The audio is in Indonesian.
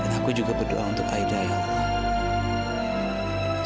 dan aku juga berdoa untuk aida ya allah